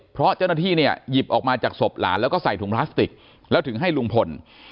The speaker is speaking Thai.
เพราะเจ้าหน้าที่เนี่ยหยิบออกมาจากศพหลานแล้วก็ใส่ถุงพลาสติกแล้วถึงให้ลุงพล